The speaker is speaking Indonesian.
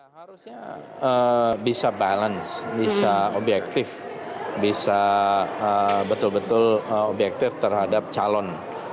harusnya bisa balance bisa objektif bisa betul betul objektif terhadap calon